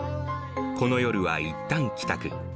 この夜はいったん帰宅。